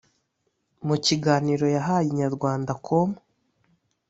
mu kiganiro yahaye inyarwandacom,